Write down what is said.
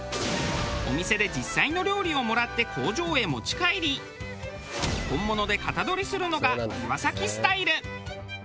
お店で実際の料理をもらって工場へ持ち帰り本物で型取りするのがイワサキスタイル。